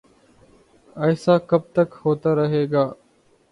ایسا کب تک ہوتا رہے گا؟